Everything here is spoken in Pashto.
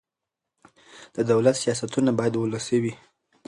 د دولت سیاستونه باید ولسي وي